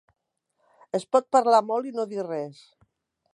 Es pot parlar molt i no dir res.